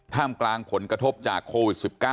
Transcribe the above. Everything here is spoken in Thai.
กลางผลกระทบจากโควิด๑๙